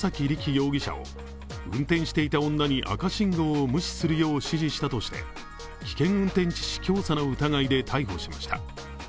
容疑者を運転していた女に赤信号を無視するよう指示したとして危険運転致死教唆の疑いで逮捕しました。